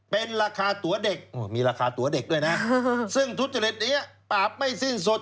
เป็นราคาตัวเด็กมีราคาตัวเด็กด้วยนะซึ่งทุจริตนี้ปราบไม่สิ้นสุด